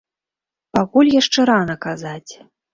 Пакуль яшчэ рана казаць.